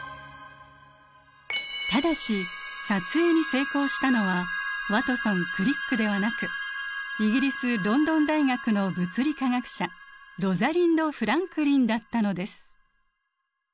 ただし撮影に成功したのはワトソンクリックではなくイギリスロンドン大学の物理化学者ロザリンド・フランクリンだったのです。